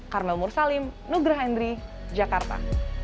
carmel mursalim nugraha henry jakarta